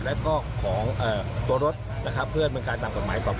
และคุณรถที่จะเปิดโบราณ